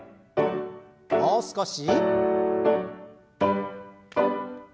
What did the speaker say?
もう少し。